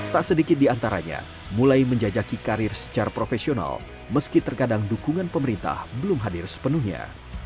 tak sedikit diantaranya mulai menjajaki karir secara profesional meski terkadang dukungan pemerintah belum hadir sepenuhnya